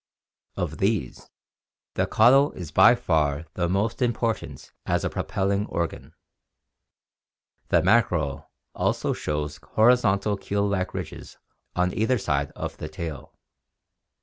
Of these the caudal is by far the most important as a propelling organ. The mackerel also shows horizontal keel like ridges on either side of the tail.